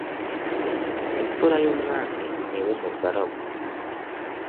imfura y ' umwami ntiba umugaragu !".